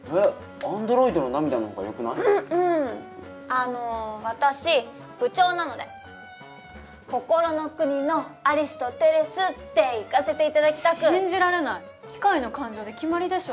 あの私部長なので「こころの国のアリスとテレス」でいかせて頂きたく。信じられない。「機械の感情」で決まりでしょ。